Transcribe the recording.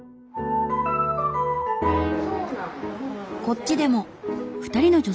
こっちでも。